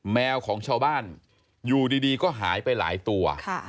แมวของชาวบ้านอยู่ดีก็หายไปหลายตัว